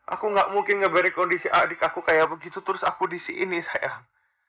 aku nggak mungkin ngeberi kondisi adik aku kayak begitu terus aku di sini sayang